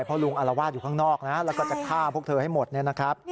เพราะลุงอารวาสอยู่ข้างนอกนะแล้วก็จะฆ่าพวกเธอให้หมดเนี่ยนะครับ